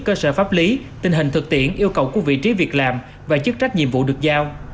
cơ sở pháp lý tình hình thực tiễn yêu cầu của vị trí việc làm và chức trách nhiệm vụ được giao